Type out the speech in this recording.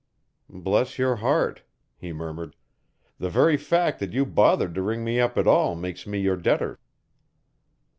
"Bless your heart," he murmured. "The very fact that you bothered to ring me up at all makes me your debtor.